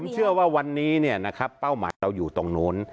ผมเชื่อว่าวันนี้เนี่ยนะครับเป้าหมายเราอยู่ตรงนู้น